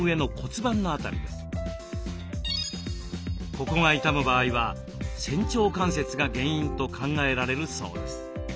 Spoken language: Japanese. ここが痛む場合は仙腸関節が原因と考えられるそうです。